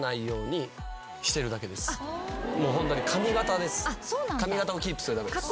もうホントに髪形です髪形をキープするためです。